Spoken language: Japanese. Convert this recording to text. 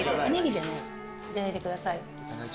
いただいてください。